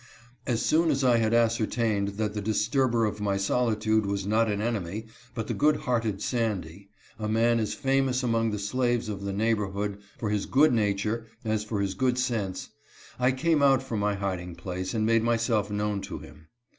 As soon as I had ascertained that the disturber of my solitude was not an enemy, but the good hearted Sandy, —a man as famous among the slaves of the neighbor Found in the Woods by Sandy. HIS OLD FRIEND SANDY. 169 hood for his good nature as for his good sense — I came out from my Kiding place and made myself known to him.